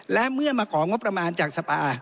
และเมื่อมาของงบประมาณจากสภา